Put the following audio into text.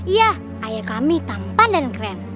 iya ayah kami tampan dan keren